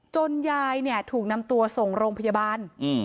จนยายถูกนำตัวส่งโรงพยาบาล